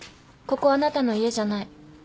ここはあなたの家じゃない。